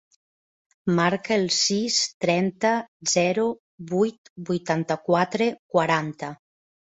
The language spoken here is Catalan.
Marca el sis, trenta, zero, vuit, vuitanta-quatre, quaranta.